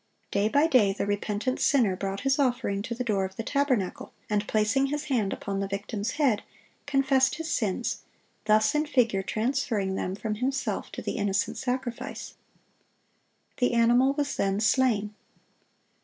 Day by day the repentant sinner brought his offering to the door of the tabernacle, and placing his hand upon the victim's head, confessed his sins, thus in figure transferring them from himself to the innocent sacrifice. The animal was then slain.